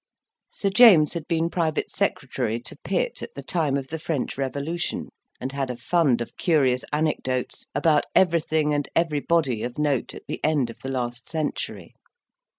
Sir James had been private secretary to Pitt at the time of the French Revolution, and had a fund of curious anecdotes about everything and everybody of note at the end of the last century.